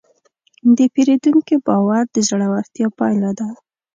د پیرودونکي باور د زړورتیا پایله ده.